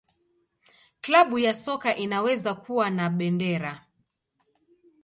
Klabu ya soka inaweza kuwa na bendera.